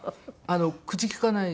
口利かない。